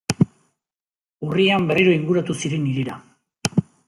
Urrian berriro inguratu ziren hirira.